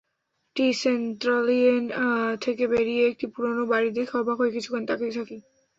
টি-সেন্ত্রালিয়েন থেকে বেরিয়ে একটি পুরোনো বাড়ি দেখে অবাক হয়ে কিছুক্ষণ তাকিয়ে থাকি।